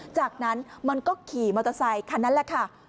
จากนั้นมันก็ขี่มอเตอร์ไซคันนั้นแหละค่ะ